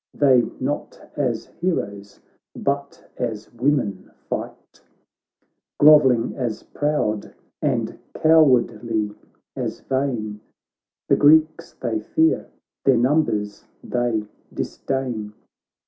They not as heroes, but as women fight ; Grovelling as proud, and cowardly as vain. The Greeks they fear, their numbers they disdain.